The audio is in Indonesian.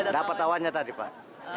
dapat awannya tadi pak